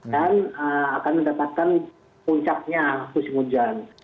dan akan mendapatkan puncaknya musim hujan